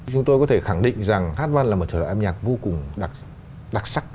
chúng tôi có thể khẳng định rằng hát văn là một thể loại âm nhạc vô cùng đặc sắc